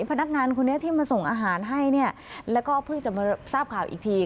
พนักงานคนนี้ที่มาส่งอาหารให้เนี่ยแล้วก็เพิ่งจะมาทราบข่าวอีกที